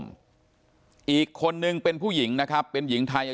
คนอีกคนหนึ่งเป็นผู้หญิงนะครับเป็นหญิงไทยอายุ๔๓ปี